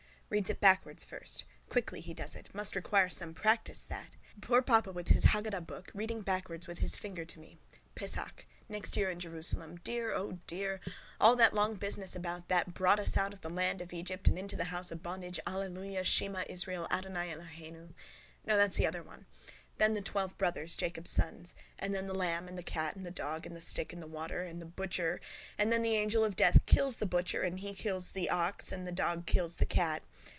Reads it backwards first. Quickly he does it. Must require some practice that. mangiD kcirtaP. Poor papa with his hagadah book, reading backwards with his finger to me. Pessach. Next year in Jerusalem. Dear, O dear! All that long business about that brought us out of the land of Egypt and into the house of bondage alleluia. Shema Israel Adonai Elohenu. No, that's the other. Then the twelve brothers, Jacob's sons. And then the lamb and the cat and the dog and the stick and the water and the butcher. And then the angel of death kills the butcher and he kills the ox and the dog kills the cat.